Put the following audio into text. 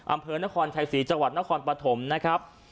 อำเภอนครชัยศรีจังหวัดนครปฐมนะครับ